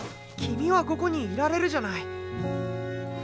君はここにいられるじゃない。